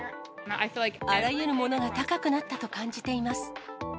あらゆるものが高くなったと感じ